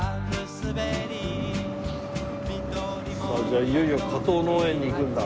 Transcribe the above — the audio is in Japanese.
じゃあいよいよ加藤農園に行くんだ？